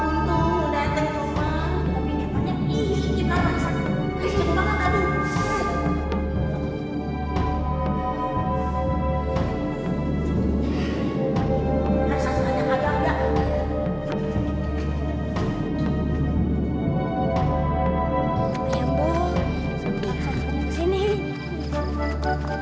untung udah ada di rumah tapi kemarin iiih cipat banget